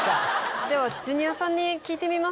ではジュニアさんに聞いてみますか？